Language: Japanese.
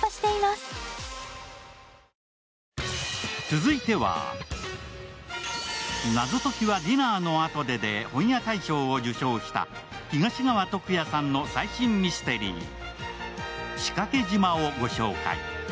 続いは「謎解きはディナーのあとで」で本屋大賞を受賞した東川篤哉さんの最新ミステリー、「仕掛島」をご紹介。